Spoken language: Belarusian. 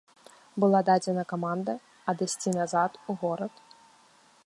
Была дадзена каманда адысці назад у горад.